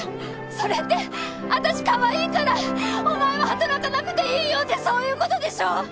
それって私かわいいからお前は働かなくていいよってそういう事でしょ！？